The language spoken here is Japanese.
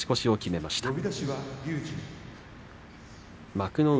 幕内